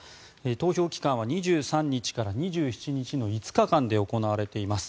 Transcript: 投票期間は２３日から２７日の５日間で行われています。